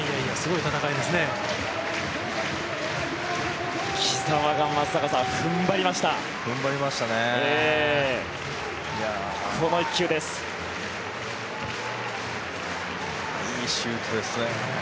いいシュートですね。